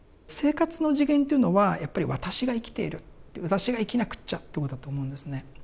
生活の次元というのはやっぱり私が生きているって私が生きなくっちゃということだと思うんですね。